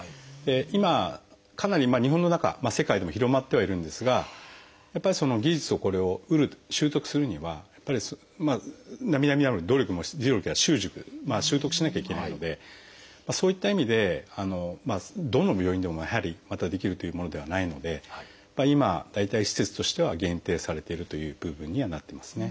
今かなり日本の中世界でも広まってはいるんですがやっぱり技術をこれを習得するにはなみなみならぬ努力や習熟習得しなきゃいけないのでそういった意味でどの病院でもやはりまだできるというものではないので今大体施設としては限定されているという部分にはなってますね。